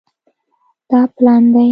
دا پلن دی